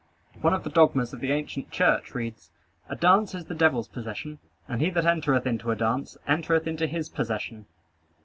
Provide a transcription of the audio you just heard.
One of the dogmas of the ancient church reads: "A dance is the devil's possession; and he that entereth into a dance, entereth into his possession.